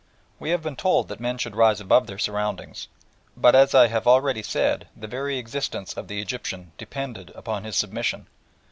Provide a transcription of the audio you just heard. We have been told that men should rise above their surroundings, but as I have already said, the very existence of the Egyptian depended upon his submission.